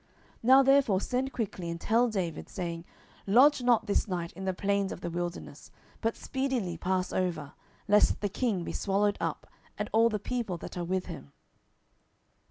10:017:016 Now therefore send quickly, and tell David, saying, Lodge not this night in the plains of the wilderness, but speedily pass over; lest the king be swallowed up, and all the people that are with him.